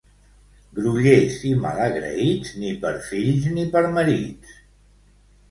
Grollers i malagraïts, ni per fills ni per marits.